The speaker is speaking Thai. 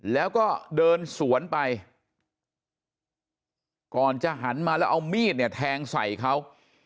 แล้วก็เดินสวนไปก่อนจะหันมาแล้วเอามีดเนี่ยแทงใส่เขา